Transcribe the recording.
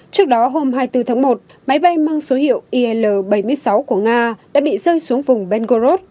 trước đó hôm hai mươi bốn tháng một máy bay mang số hiệu il bảy mươi sáu của nga đã bị rơi xuống vùng ben gorod